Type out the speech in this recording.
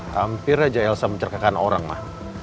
hampir aja elsa menceritakan orang mah